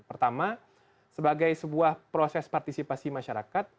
pertama sebagai sebuah proses partisipasi masyarakat